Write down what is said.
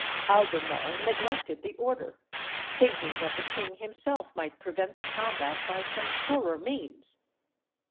Albemarle neglected the order, thinking that the king himself might prevent the combat by some surer means.